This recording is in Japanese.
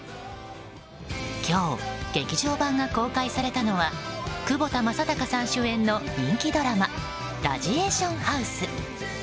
今日、劇場版が公開されたのは窪田正孝さん主演の人気ドラマ「ラジエーションハウス」。